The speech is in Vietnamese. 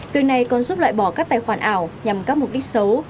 việc này còn giúp loại bỏ các tài khoản ảo nhằm các mục đích xấu